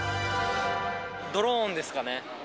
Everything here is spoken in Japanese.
ドローンですかね。